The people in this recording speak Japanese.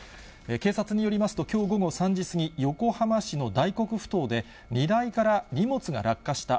警察によりますと、きょう午後３時過ぎ、横浜市の大黒ふ頭で荷台から荷物が落下した。